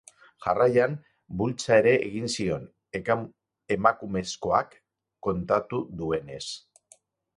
Jarraian, bultza ere egin zion, emakumezkoak kontatu duenez.